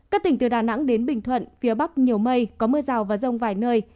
các tỉnh từ đà nẵng đến bình thuận phía bắc nhiều mây có mưa rào và rông vài nơi